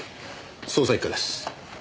捜査一課です。